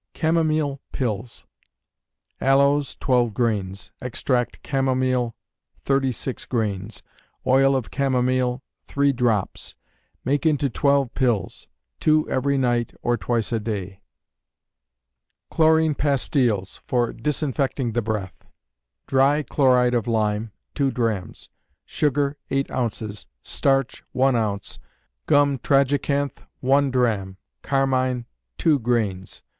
Chamomile Pills. Aloes, twelve grains; extract chamomile, thirty six grains; oil of chamomile, three drops; make into twelve pills: two every night, or twice a day. Chlorine Pastiles for Disinfecting the Breath. Dry chloride of lime, two drachms; sugar, eight ounces; starch, one ounce, gum tragacanth, one drachm; carmine, two grains.